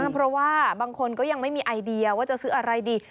เพราะว่าบางคนก็ยังไม่มีไอเดียว่าจะซื้ออะไรดี